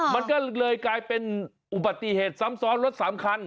มันก็เลยกลายเป็นอุบัติเหตุซ้ำซ้อนรถ๓คัน